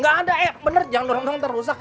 gak ada eh bener jangan dorong dorong ntar rusak